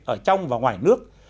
ở trong và ngoài nước